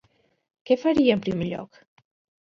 Què faria en primer lloc?